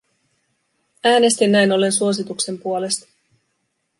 Äänestin näin ollen suosituksen puolesta.